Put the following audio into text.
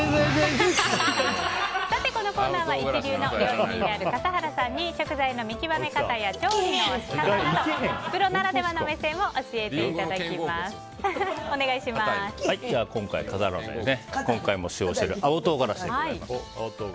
このコーナーは一流の料理人である笠原さんに食材の見極め方や調理の仕方などプロならではの目線を今回の笠原の眼は今回も使用している青唐辛子でございます。